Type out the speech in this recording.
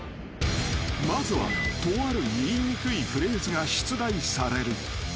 ［まずはとある言いにくいフレーズが出題される］